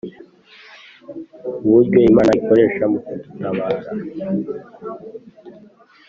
uburyo Imana ikoresha mu kudutabara,